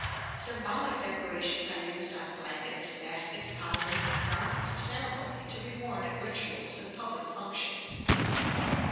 Symbolic decorations are used on blankets, baskets, pottery, and garments of ceremony to be worn at rituals and public functions.